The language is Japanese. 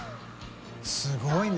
すごいな。